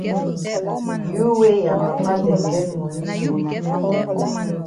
You wey ya papa dem get moni so!